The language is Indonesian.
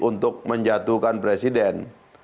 untuk menjatuhkan presiden